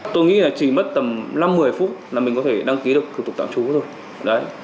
tôi nghĩ là chỉ mất tầm năm một mươi phút là mình có thể đăng ký được thủ tục tạm trú thôi